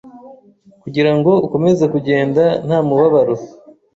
kugira ngo ukomeze kugenda nta mubabaro.